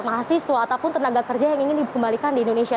mahasiswa ataupun tenaga kerja yang ingin dikembalikan di indonesia